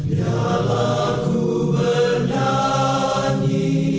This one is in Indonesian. ya allah ku bernyanyi